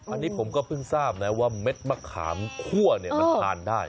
อันนี้ผมก็เพิ่งทราบนะว่าเม็ดมะขามคั่วเนี่ยมันทานได้